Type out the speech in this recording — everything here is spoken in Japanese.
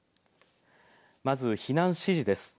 まず避難指示です。